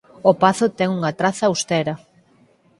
O pazo ten unha traza austera.